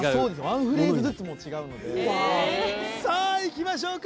１フレーズずつもう違うのでさあいきましょうか